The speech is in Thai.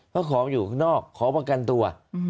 เพราะของอยู่ข้างนอกขอประกันตัว